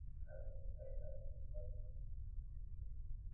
সেই একই বছরে তাঁর প্রথম একক album wide eyes blind love বের হয়েছিল।